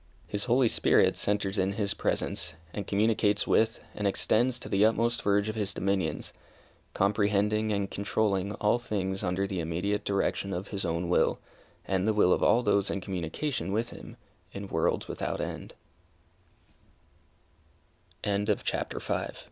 His Holy Spirit centres in His presence, and communicates with, and extends to the utmost verge of His dominions, comprehending and controlling all things under the immediate direction of His own will, and the will of all those in communication with Him, in worlds without end! CHAPTER VI.